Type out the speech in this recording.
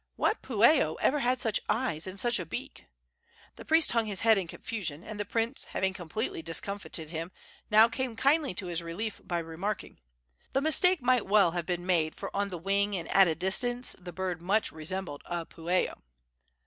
What pueo ever had such eyes and such a beak?" The priest hung his head in confusion, and the prince, having completely discomfited him, now came kindly to his relief by remarking: "The mistake might well have been made, for on the wing and at a distance the bird much resembled a pueo."